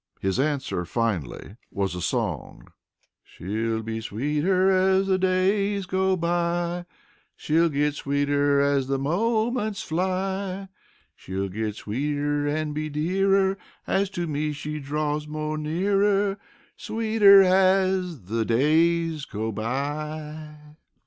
His answer, finally, was a song: "She'll be sweeter as de days go by; She'll git sweeter as de moments fly; She'll git sweeter an' be dearer As to me she draws mo' nearer Sweeter as de days go by."